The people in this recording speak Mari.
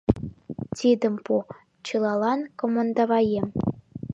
Тудым пу!» — чылалан командоваем.